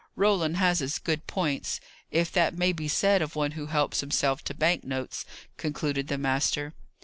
Roland has his good points if that may be said of one who helps himself to bank notes," concluded the master.